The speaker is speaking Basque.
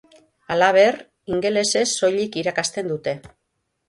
Halaber, ingelesez soilik irakasten dute.